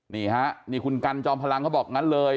นี่คุณกัลจอมพลังครับบอกนั้นเลย